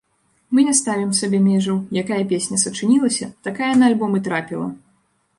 Мы не ставім сабе межаў, якая песня сачынілася, такая на альбом і трапіла!